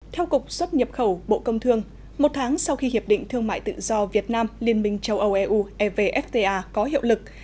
theo cục xuất nhập khẩu bộ công thương một tháng sau khi hiệp định thương mại tự do việt nam liên minh châu âu eu evfta có hiệu lực